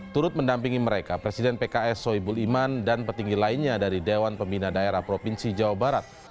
turut mendampingi mereka presiden pks soebul iman dan petinggi lainnya dari dewan pembina daerah provinsi jawa barat